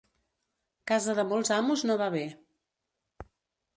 Casa de molts amos no va bé.